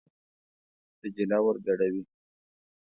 دجله ور ګډوي.